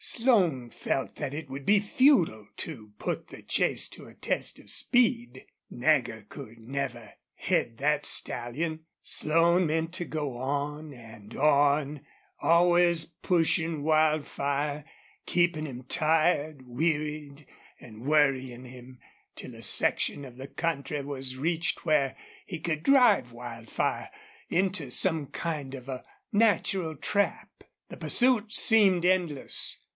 Slone felt that it would be futile to put the chase to a test of speed. Nagger could never head that stallion. Slone meant to go on and on, always pushing Wildfire, keeping him tired, wearied, and worrying him, till a section of the country was reached where he could drive Wildfire into some kind of a natural trap. The pursuit seemed endless.